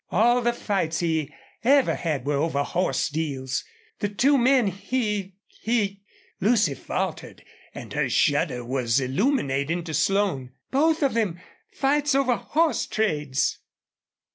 All the fights he ever had were over horse deals. The two men he he " Lucy faltered and her shudder was illuminating to Slone. "Both of them fights over horse trades!"